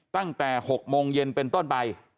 ตั้งแต่๖โมงเย็นเป็นต้นไป